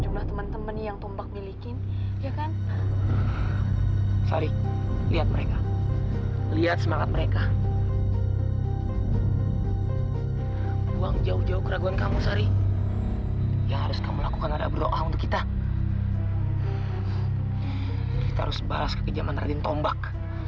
kedaman yang sudah dilakukan tombak